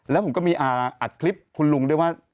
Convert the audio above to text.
แล้วผมก็มีอัดคลิปคุณลุงด้วยว่า